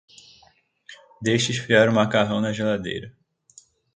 Deixe esfriar o macarrão na geladeira.